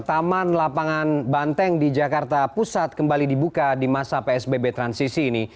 taman lapangan banteng di jakarta pusat kembali dibuka di masa psbb transisi ini